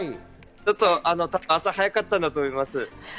ちょっと朝早かったんだと思います。